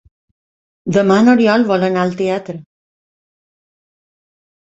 Demà n'Oriol vol anar al teatre.